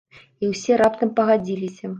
І ўсе раптам пагадзіліся.